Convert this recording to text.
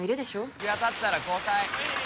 突き当たったら交代